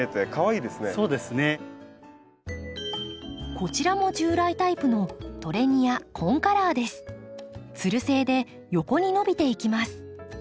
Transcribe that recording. こちらも従来タイプのつる性で横に伸びていきます。